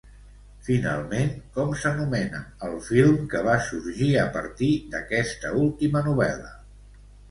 Finalment, com s'anomena el film que va sorgir a partir d'aquesta última novel·la?